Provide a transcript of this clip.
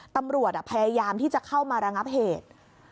ตำรวจพยายามที่จะเข้ามาระงับเหตุ